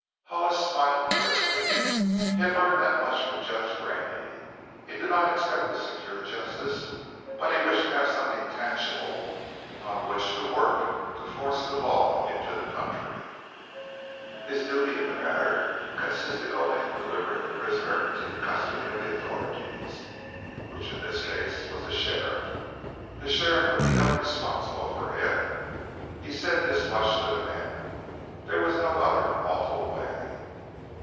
Hollis smiled grimly. He had learned that much from Judge Graney. He did not expect to secure justice, but he wished to have something tangible upon which to work to force the law into the country. His duty in the matter consisted only in delivering the prisoner into the custody of the authorities, which in this case was the sheriff. The sheriff would be held responsible for him. He said this much to the men. There was no other lawful way.